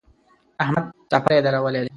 احمد څپری درولی دی.